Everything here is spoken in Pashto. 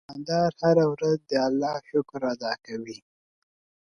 دوکاندار هره ورځ د الله شکر ادا کوي.